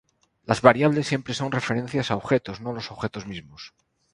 Las variables siempre son referencias a objetos, no los objetos mismos.